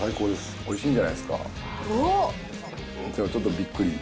おっ！ちょっとびっくり。